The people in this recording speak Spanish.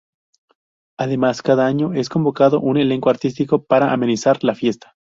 Además cada año, es convocado un elenco artístico para amenizar la fiesta.